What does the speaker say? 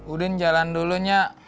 udin jalan dulu nyak